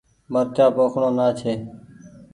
مرچآ پوکڻو نآ ڇي ۔